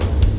ya aku sama